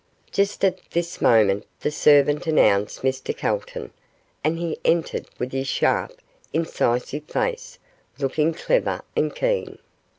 Just at this moment the servant announced Mr Calton, and he entered, with his sharp, incisive face, looking clever and keen.